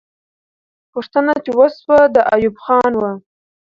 پوښتنه چې وسوه، د ایوب خان وه.